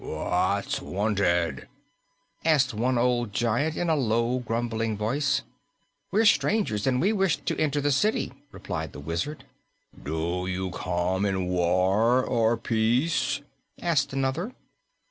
"What's wanted?" asked one old giant in a low, grumbling voice. "We are strangers, and we wish to enter the city," replied the Wizard. "Do you come in war or peace?" asked another.